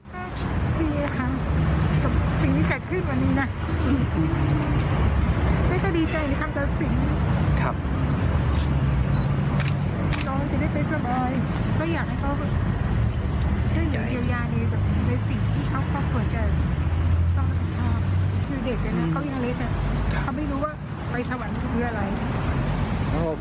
คือเด็กเลยนะเขายังเล็กน่ะเขาไม่รู้ว่าไปสวรรค์เป็นเพื่ออะไร